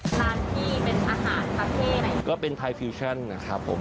ร้านที่เป็นอาหารประเภทไหนก็เป็นไทยฟิวชั่นนะครับผม